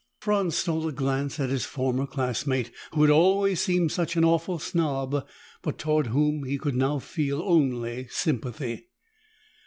Franz stole a glance at his former classmate, who had always seemed such an awful snob but toward whom he could now feel only sympathy.